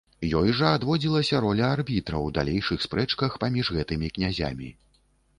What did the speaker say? Ёй жа адводзілася роля арбітра ў далейшых спрэчках паміж гэтымі князямі.